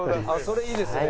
それいいですね。